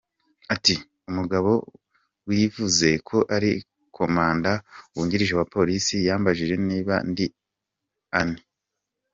Ati: “Umugabo wivuze ko ari komanda wungirije wa polisi yambajije niba ndi Annie.